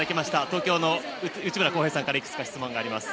東京の内村航平さんからいくつか質問があります。